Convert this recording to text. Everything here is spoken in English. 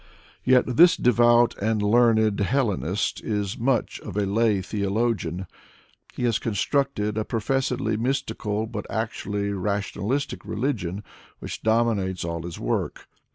Yet this devout and learned Hellenist is much of a lay theologian. He has constructed a professedly mystical, but actually rationalistic religion, which dominates all his work.